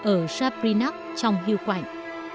ở sabrinak trong hiu quảnh